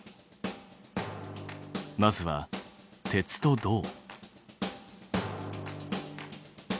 まずは鉄と銅。